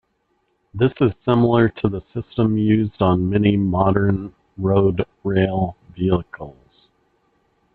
This is similar to the system used on many modern road-rail vehicles.